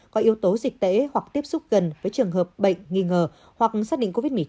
có yếu tố dịch tễ hoặc tiếp xúc gần với trường hợp bệnh nghi ngờ hoặc xác định covid một mươi chín